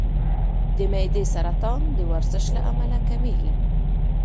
د معدې سرطان د ورزش له امله کمېږي.